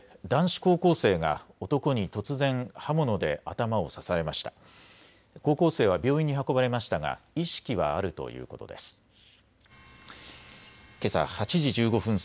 高校生は病院に運ばれましたが意識はあるということです。